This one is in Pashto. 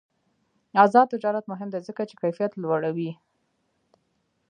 آزاد تجارت مهم دی ځکه چې کیفیت لوړوي.